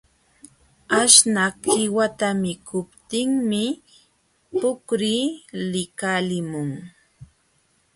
Aśhnaq qiwata mikuptinmi puqri likalimun.